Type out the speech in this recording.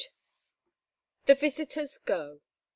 THE VISITORS GO.